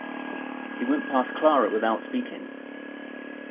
He went past Clara without speaking.